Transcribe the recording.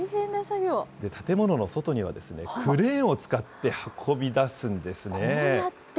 建物の外には、クレーンを使って運び出すんですね。